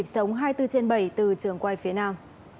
sống hai mươi bốn trên bảy từ trường quay phía nam